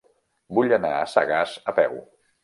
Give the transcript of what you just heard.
Vull anar a Sagàs a peu.